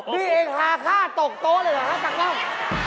นี่เองฮาค่าตกโต๊ะเลยเหรอฮะตากล้อง